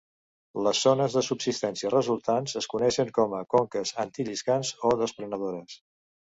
Les zones de subsidència resultants es coneixen com a conques antilliscants o desprenedores.